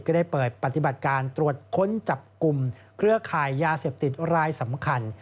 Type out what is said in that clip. ได้เปิดปฏิบัติการตรวจค้นจับกลุ่มเครือข่ายยาเสพติดรายสำคัญ